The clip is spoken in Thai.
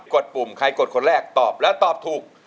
ดปุ่มใครกดคนแรกตอบแล้วตอบถูก